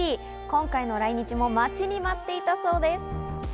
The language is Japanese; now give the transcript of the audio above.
今回の来日も待ちに待っていたそうです。